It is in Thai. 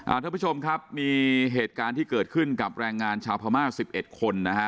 ท่านผู้ชมครับมีเหตุการณ์ที่เกิดขึ้นกับแรงงานชาวพม่าสิบเอ็ดคนนะฮะ